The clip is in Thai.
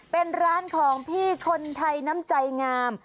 เป็นร้านของพี่คนไทยน้ำใจงาม